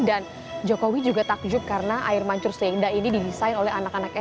dan jokowi juga takjub karena air mancur selingda ini didesain oleh anak anaknya